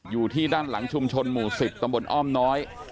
อยู่ที่ด้านหลังชุมชนหมู่๑๐ตำบลอ้อมน้อย